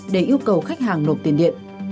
để yêu cầu khách hàng nộp tiền điện